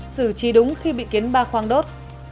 sử trí đúng khi bị kiến ba khoang đốt